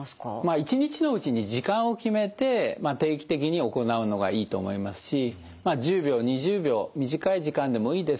１日のうちに時間を決めて定期的に行うのがいいと思いますし１０秒２０秒短い時間でもいいです。